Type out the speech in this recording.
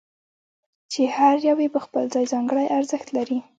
چې هر یو یې په خپل ځای ځانګړی ارزښت لري.